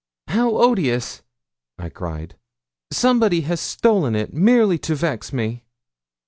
'How odious!' I cried; 'somebody has stolen it merely to vex me.'